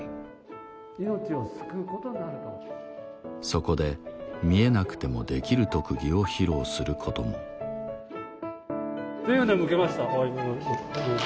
そこで見えなくてもできる特技を披露することも。ということでむけました。